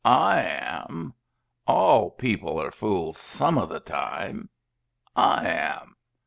I am. All people are fools some of the time. I am.